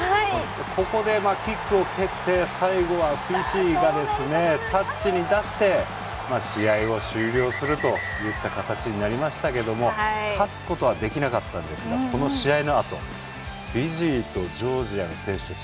ここでキックを蹴って最後はフィジーがタッチに出して試合を終了するという形になりましたけれども勝つことはできなかったんですがこの試合のあとフィジーとジョージアの選手たち